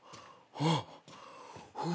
あっ。